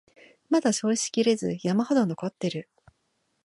まだ消費しきれず山ほど残ってる